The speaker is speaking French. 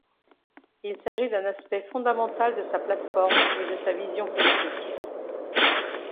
Il s'agit d'un aspect fondamental de sa plateforme et de sa vision politique.